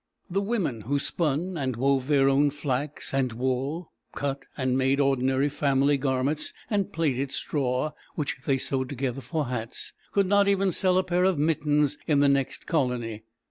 ] The women, who spun and wove their own flax and wool, cut and made ordinary family garments, and plaited straw, which they sewed together for hats, could not even sell a pair of mittens in the next colony.